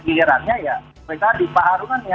gilirannya ya mereka di pak harisaya